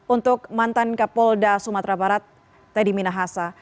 untuk mantan kapolda sumatera barat teddy minahasa